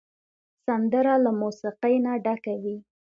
سندره له موسیقۍ نه ډکه وي